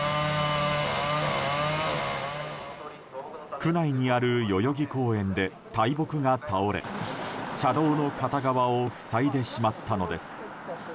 区内にある代々木公園で大木が倒れ車道の片側を塞いでしまったのです。